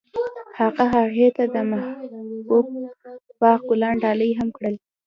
هغه هغې ته د محبوب باغ ګلان ډالۍ هم کړل.